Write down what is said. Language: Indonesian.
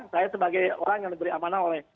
saya sebagai orang yang diberi amanah oleh